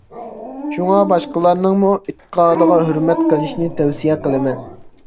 شۇڭا باشقىلارنىڭمۇ ئېتىقادىغا ھۆرمەت قىلىشنى تەۋسىيە قىلىمەن!